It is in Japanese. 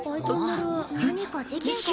何か事件かな？